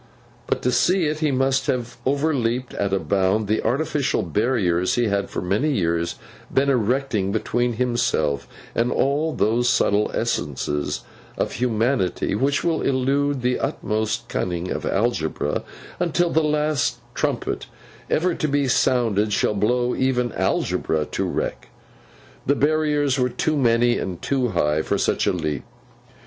But, to see it, he must have overleaped at a bound the artificial barriers he had for many years been erecting, between himself and all those subtle essences of humanity which will elude the utmost cunning of algebra until the last trumpet ever to be sounded shall blow even algebra to wreck. The barriers were too many and too high for such a leap.